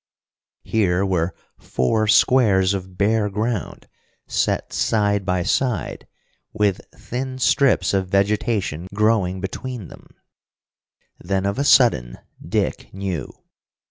Here were four squares of bare ground set side by side, with thin strips of vegetation growing between them. Then of a sudden Dick knew!